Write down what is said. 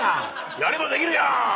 やればできるやん。